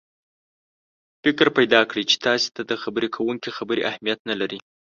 فکر پیدا کړي چې تاسې ته د خبرې کوونکي خبرې اهمیت نه لري.